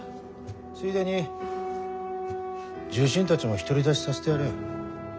ついでに重臣たちも独り立ちさせてやれ。